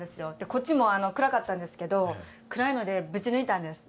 こっちも暗かったんですけど暗いのでぶち抜いたんです。